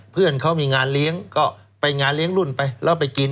เพื่อนเขามีงานเลี้ยงก็ไปงานเลี้ยงรุ่นไปแล้วไปกิน